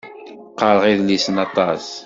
Qqareɣ idlisen aṭas.